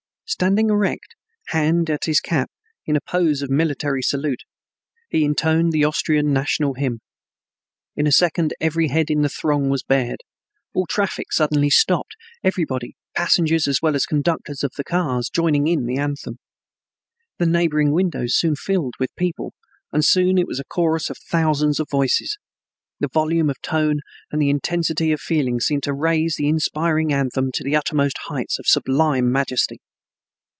Standing erect, hand at his cap, in a pose of military salute, he intoned the Austrian national hymn. In a second every head in that throng was bared. All traffic suddenly stopped, everybody, passengers as well as conductors of the cars, joining in the anthem. The neighboring windows soon filled with people, and soon it was a chorus of thousands of voices. The volume of tone and the intensity of feeling seemed to raise the inspiring anthem to the uttermost heights of sublime majesty.